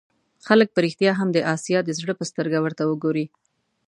خلک په رښتیا هم د آسیا د زړه په سترګه ورته وګوري.